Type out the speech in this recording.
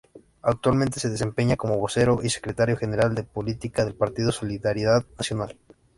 Actualmente se desempeña como vocero y secretario general de política del Partido Solidaridad Nacional.